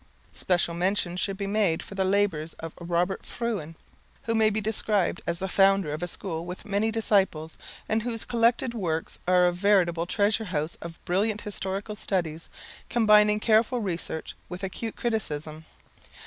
Special mention should be made of the labours of Robert Fruin, who may be described as the founder of a school with many disciples, and whose collected works are a veritable treasure house of brilliant historical studies, combining careful research with acute criticism.